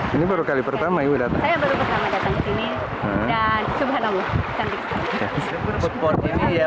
di mana pantainya putih airnya biru tos atau begini ya